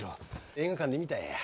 映画館で見たんや。